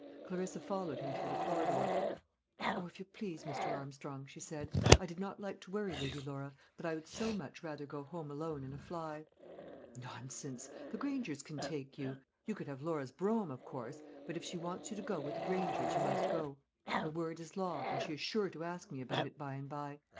Clarissa followed him through the corridor. "O, if you please, Mr. Armstrong," she said, "I did not like to worry Lady Laura, but I would so much rather go home alone in a fly." "Nonsense! the Grangers can take you. You could have Laura's brougham, of course; but if she wants you to go with the Grangers, you must go. Her word is law; and she's sure to ask me about it by and by.